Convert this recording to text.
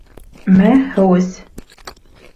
Мә, һыу эс!